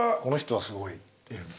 この人はすごいって。